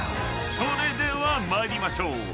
［それでは参りましょう］